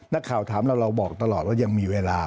นักข่าวถามเราเราบอกตลอดว่ายังมีเวลา